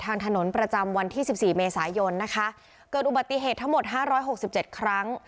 ทางถนนประจำวันที่สิบสี่เมษายนนะคะเกิดอุบัติเหตุทั้งหมดห้าร้อยหกสิบเจ็ดครั้ง